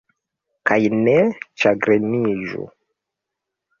Kaj ne ĉagreniĝu.